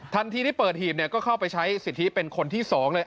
ที่เปิดหีบก็เข้าไปใช้สิทธิเป็นคนที่๒เลย